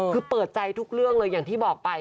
คือเปิดใจทุกเรื่องเลยอย่างที่บอกไป